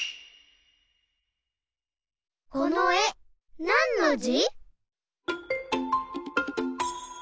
このえなんのじ？